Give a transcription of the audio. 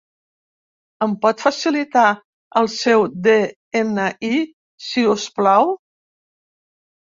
Em pot facilitar el seu de-ena-i, si us plau?